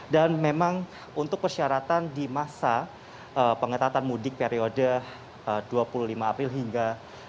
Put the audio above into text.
dan memang untuk persyaratan di masa pengetatan mudik periode dua puluh lima april hingga